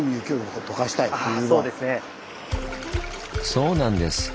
そうなんです。